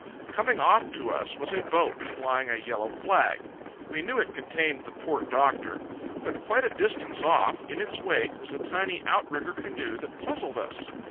Coming off to us was a boat, flying a yellow flag. We knew it contained the port doctor. But quite a distance off, in its wake, was a tiny out rigger canoe that puzzled us.